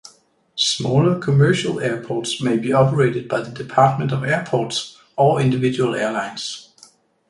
Smaller commercial airports may be operated by the Department of Airports or individual airlines.